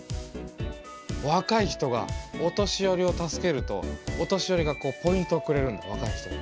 若い人がお年寄りを助けるとお年寄りがこうポイントをくれるんだ若い人に。